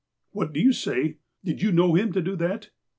"What do you say? Did you know him to do that?"